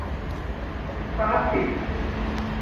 তা ঠিক।